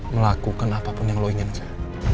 melakukan apapun yang lo inginkan